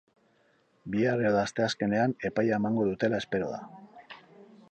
Bihar edo asteazkenean epaia emango dutela espero da.